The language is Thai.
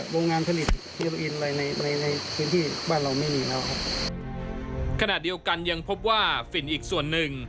ขนาดเดียวกันยังพบว่าฝิ่นอีกส่วนหนึ่ง